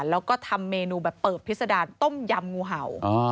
แล้วก็ทำเมนูแบบเปิบพิษดารต้มยำงูเห่า